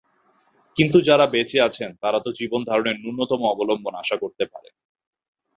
কিন্তু যাঁরা বেঁচে আছেন, তাঁরা তো জীবনধারণের ন্যূনতম অবলম্বন আশা করতে পারেন।